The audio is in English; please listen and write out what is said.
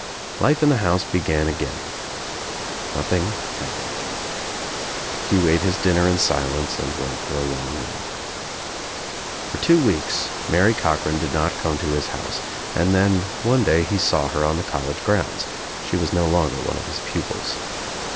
Life in the house began again. Nothing happened. Hugh ate his dinner In silence and went for a long walk. For two weeks Mary Cochran did not come to his house and then one day he saw her on the college grounds. She was no longer one of his pupils.